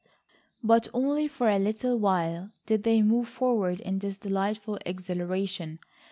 But only for a little while did they move forward in this delightful exhilaration.